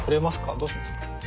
どうしますか？